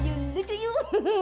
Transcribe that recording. i yuk lucu yuk